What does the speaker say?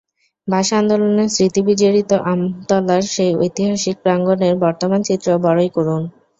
ভাষা আন্দোলনের স্মৃতিবিজড়িত আমতলার সেই ঐতিহাসিক প্রাঙ্গণের বর্তমান চিত্র বড়ই করুণ।